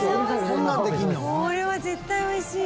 これは絶対美味しいよ。